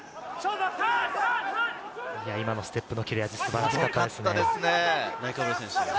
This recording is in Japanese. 今のステップの切れ味、すごかったですね。